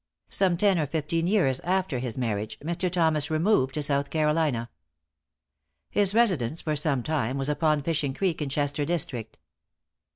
Some ten or fifteen years after his marriage, Mr. Thomas removed to South Carolina. His residence for some time was upon Fishing Creek in Chester District.